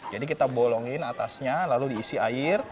jadi kita bolongin atasnya lalu diisi air